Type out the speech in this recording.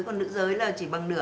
còn nữ giới là chỉ bằng nửa